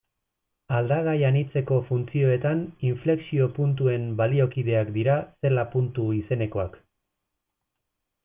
Aldagai anitzeko funtzioetan inflexio-puntuen baliokideak dira zela-puntu izenekoak.